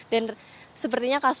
dan sepertinya kasus ini